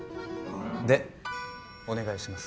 でお願いします。